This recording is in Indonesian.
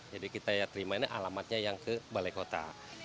jadi kita terima ini alamatnya yang ke balai kota